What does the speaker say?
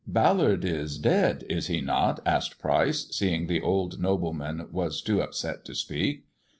" Ballard is dead, is he not 1 " asked Pryce, seeing the old nobleman was too upset to speak.